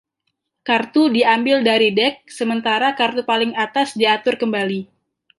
Kartu diambil dari dek, sementara kartu paling atas diatur kembali.